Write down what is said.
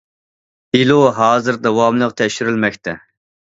دېلو ھازىر داۋاملىق تەكشۈرۈلمەكتە.